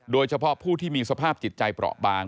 โดยเฉพาะผู้ที่มีสภาพจิตใจเปราะบาง